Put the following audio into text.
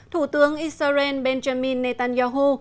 thủ tướng israel benjamin netanyahu